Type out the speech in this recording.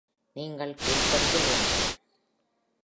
நீங்கள் கீழ்ப்படிய வேண்டும்.